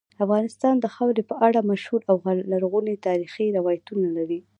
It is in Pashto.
افغانستان د خاورې په اړه مشهور او لرغوني تاریخی روایتونه لري.